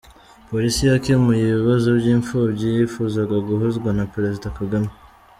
Polisi yakemuye ibibazo by’imfubyi yifuzaga guhozwa na Perezida Kagame.